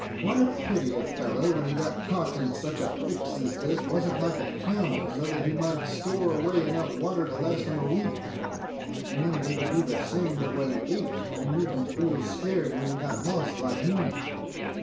"What a pity a fellow, when he got caught in such a fix as this, wasn't like a camel, so that he might store away enough water to last him a week, and then if he could do the same with what he ate, he needn't feel scared when he got lost like me."